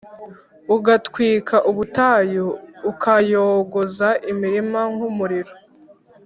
ugatwika ubutayu, ukayogoza imirima nk’umuriro.